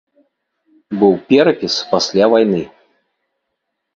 Быў перапіс пасля вайны.